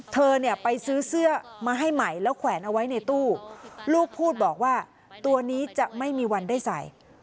เธอเนี่ยไปซื้อเสื้อมาให้ใหม่แล้วแขวนเอาไว้ในตู้ลูกพูดบอกว่าตัวนี้จะไม่มีวันได้ใส่